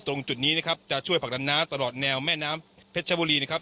ตรงจุดนี้นะครับจะช่วยผลักดันน้ำตลอดแนวแม่น้ำเพชรชบุรีนะครับ